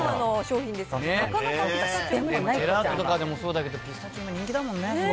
ジェラートとかもそうだけどピスタチオも人気だもんね。